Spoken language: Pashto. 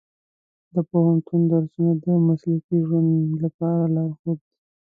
د پوهنتون درسونه د مسلکي ژوند لپاره لارښود دي.